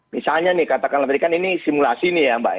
misalnya nih katakanlah tadi kan ini simulasi nih ya mbak